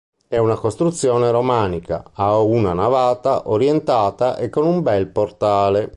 È una costruzione romanica, a una navata, orientata e con un bel portale.